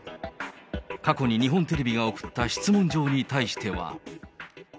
過去に日本テレビが送った質問状に対しては。